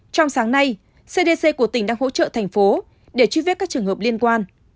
trong sáng nay cdc của tỉnh đang hỗ trợ thành phố để truy vết các trường hợp liên quan